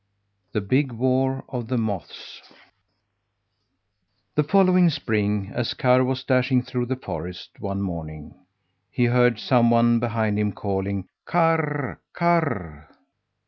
THE BIG WAR OF THE MOTHS The following spring, as Karr was dashing through the forest one morning, he heard some one behind him calling: "Karr! Karr!"